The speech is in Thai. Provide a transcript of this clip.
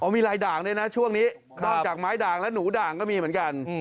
มีลายด่างด้วยนะช่วงนี้นอกจากไม้ด่างแล้วหนูด่างก็มีเหมือนกัน